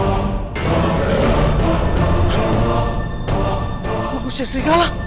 tidak ada yang bisa dipercaya